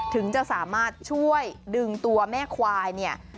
ถึงจะสามารถช่วยดึงตัวแม่ควายเนี่ย